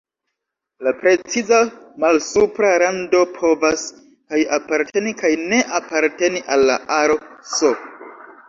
La preciza malsupra rando povas kaj aparteni kaj ne aparteni al la aro "S".